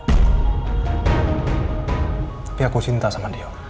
tapi aku cinta sama dia